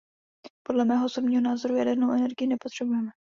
Podle mého osobního názoru jadernou energii nepotřebujeme.